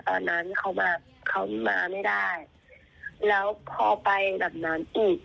ตอนนั้นเขามาเขามาไม่ได้แล้วพอไปแบบนั้นอีก